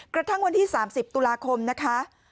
กระทั่งวันที่๓๐ตุลาคมนะคะ